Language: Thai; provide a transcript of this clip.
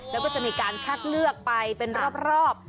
แล้วก็จะมีการคัดเลือกไปเป็นรอบ